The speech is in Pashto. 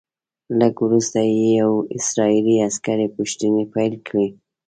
لږ وروسته یوې اسرائیلي عسکرې پوښتنې پیل کړې.